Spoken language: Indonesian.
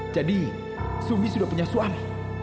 jadi sumi sudah punya suami